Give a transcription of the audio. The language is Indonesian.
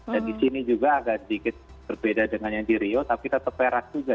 dan di sini juga agak sedikit berbeda dengan yang di rio tapi tetap perak juga